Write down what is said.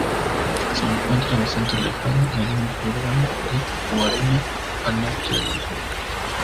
Se encuentra bastante alejada del núcleo urbano de Guareña al norte del mismo.